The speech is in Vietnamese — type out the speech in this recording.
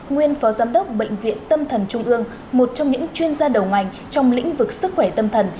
nguyên phó giám đốc bệnh viện tâm thần trung ương một trong những chuyên gia đầu ngành trong lĩnh vực sức khỏe tâm thần